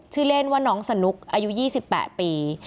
เล่นว่าน้องสนุกอายุ๒๘ปี